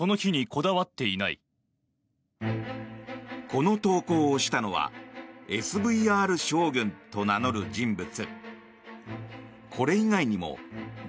この投稿をしたのはＳＶＲ将軍と名乗る人物。